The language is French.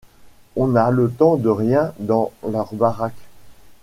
On n’a le temps de rien dans leur baraque !